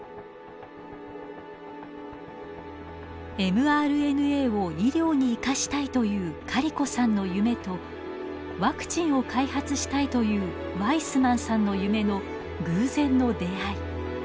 ｍＲＮＡを医療に生かしたいというカリコさんの夢とワクチンを開発したいというワイスマンさんの夢の偶然の出会い。